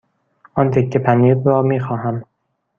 آن تکه پنیر را می خواهم.